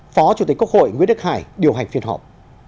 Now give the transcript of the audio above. phó chủ tịch quốc hội nguyễn đức hải điều hành phiên họp